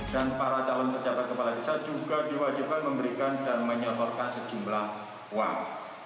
dan para calon pejabat kepala desa juga diwajibkan memberikan dan menyeborkan sejumlah uang